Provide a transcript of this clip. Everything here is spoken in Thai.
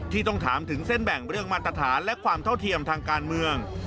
ที่ต้องถามถึงเส้นแบ่งเรื่องมาตรฐานและความเท่าเทียมทางการเมือง